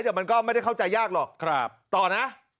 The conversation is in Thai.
แต่มันก็ไม่ได้เข้าใจยากหรอกต่อนะ